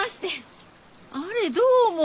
あれどうも。